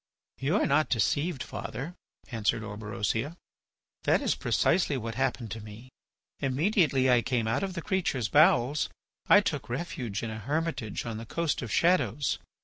"You are not deceived, father," answered Orberosia. "That is precisely what happened to me. Immediately I came out of the creature's bowels I took refuge in a hermitage on the Coast of Shadows.